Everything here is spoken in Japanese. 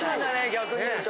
逆に言うと。